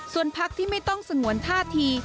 ส่วนพักที่ไม่ต้องสงวนท่าที